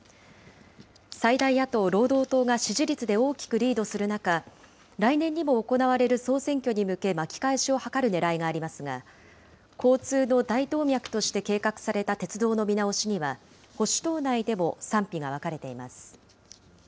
最大野党・労働党が支持率で大きくリードする中、来年にも行われる総選挙に向け、巻き返しを図るねらいがありますが、交通の大動脈として計画された鉄道の見直しには、保守党内でも賛否が分かれています。